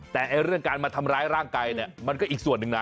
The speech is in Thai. แต่เรื่องการมาทำร้ายร่างกายเนี่ยมันก็อีกส่วนหนึ่งนะ